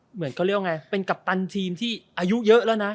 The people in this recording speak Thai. เหมือนเขาเรียกว่าไงเป็นกัปตันทีมที่อายุเยอะแล้วนะ